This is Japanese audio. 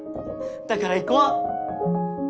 だから行こう。